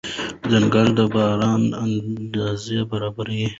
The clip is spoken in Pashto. ځنګل د باران اندازه برابروي.